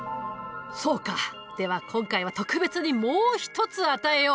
そうかでは今回は特別にもう一つ与えよう。